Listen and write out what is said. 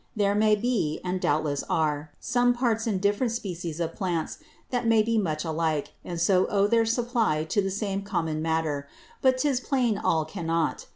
There may be, and doubtless are, some Parts in different Species of Plants, that may be much alike, and so owe their Supply to the same common Matter; but 'tis plain all cannot.